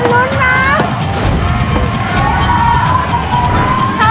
เอ้ยลุ้นกะพี่มวล